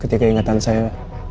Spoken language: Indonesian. ketika ingatan saya